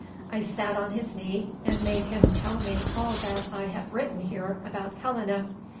I sat on his knee, and made him tell me all that I have written here about Helena.